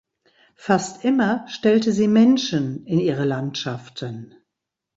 Fast immer stellte sie Menschen in ihre Landschaften.